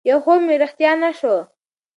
يو خوب مې رښتيا نه شو